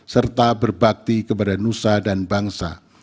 serta berbakti kepada nusa dan bangsa